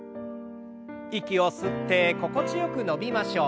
息を吸って心地よく伸びましょう。